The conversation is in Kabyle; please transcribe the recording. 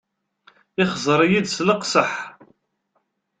Ixẓer-iyi-d s leqseḥ.